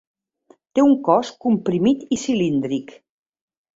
Té un cos comprimit i cilíndric.